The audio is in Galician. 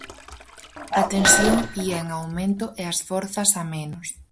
A tensión ía en aumento e as forzas a menos.